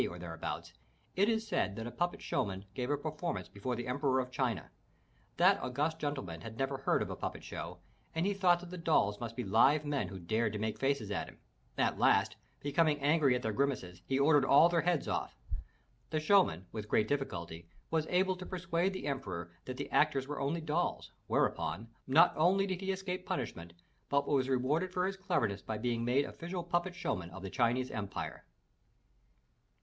or thereabouts, it is said that a puppet show man gave a performance before the Emperor of China. That august gentleman had never heard of a puppet show and he thought that the dolls must be live men who dared to make faces at him. At last, becoming angry at their grimaces, he ordered all their heads off! The show man with great difficulty was able to persuade the emperor that the actors were only dolls, whereupon, not only did he escape punishment, but was rewarded for his cleverness by being made official puppet show man of the Chinese Empire.